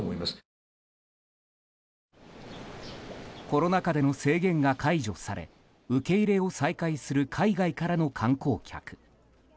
コロナ禍での制限が解除され受け入れを再開する海外からの観光客。